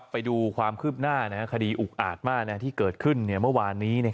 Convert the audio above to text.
ไปดูความคืบหน้าคดีอุกอาจมากที่เกิดขึ้นเมื่อวานนี้